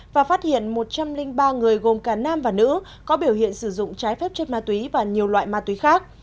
và phát hiện một trăm linh ba người gồm cả nam và nữ có biểu hiện sử dụng trái phép chất ma túy và nhiều loại ma túy khác